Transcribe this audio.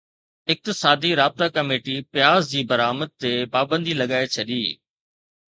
اقتصادي رابطا ڪميٽي پياز جي برآمد تي پابندي لڳائي ڇڏي